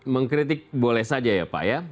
mengkritik boleh saja ya pak ya